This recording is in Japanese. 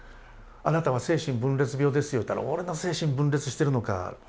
「あなたは精神分裂病ですよ」って言ったら「俺の精神は分裂してるのか？」でしょう。